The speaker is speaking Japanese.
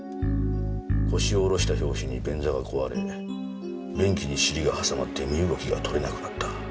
腰を下ろした拍子に便座が壊れ便器に尻が挟まって身動きが取れなくなった。